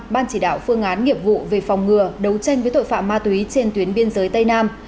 ban chỉ đạo phương án nghiệp vụ về phòng ngừa đấu tranh với tội phạm ma túy trên tuyến biên giới tây nam